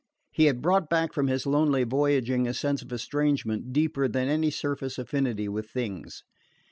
He had brought back from his lonely voyagings a sense of estrangement deeper than any surface affinity with things.